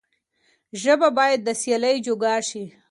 ژبه بايد د سيالۍ جوګه شي.